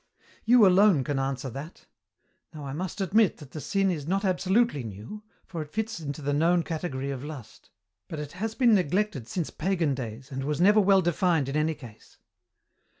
"You alone can answer that. Now I must admit that the sin is not absolutely new, for it fits into the known category of lust. But it has been neglected since pagan days, and was never well defined in any case."